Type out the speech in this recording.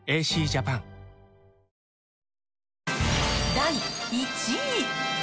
第１位。